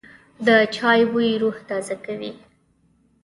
د چای بوی روح تازه کوي.